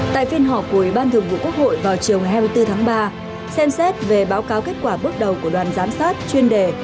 tại phiên họp của ủy ban thường vụ quốc hội vào chiều hai mươi bốn tháng ba xem xét về báo cáo kết quả bước đầu của đoàn giám sát chuyên đề